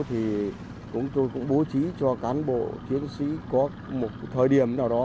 thì chúng tôi cũng bố trí cho cán bộ chiến sĩ có một thời điểm nào đó